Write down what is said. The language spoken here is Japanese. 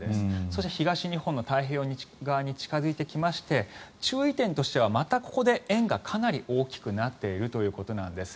そして東日本の太平洋側に近付いてきまして注意点としてはまたここで円がかなり大きくなっているということなんです。